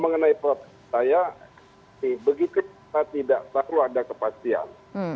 mengenai protes saya begitu kita tidak selalu ada kepastian